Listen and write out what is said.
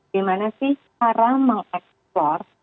gimana sih cara mengeksplor